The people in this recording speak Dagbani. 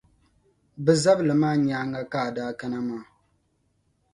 Bε zabili maa nyaaŋa ka a daa kana maa.